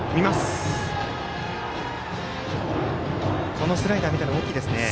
このスライダーを見たのは大きいですね。